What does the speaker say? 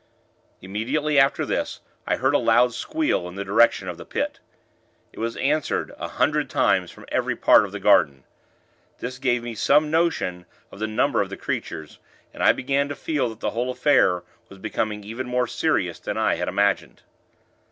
Immediately after this, I heard a loud squeal, in the direction of the Pit. It was answered, a hundred times, from every part of the garden. This gave me some notion of the number of the creatures, and I began to feel that the whole affair was becoming even more serious than I had imagined.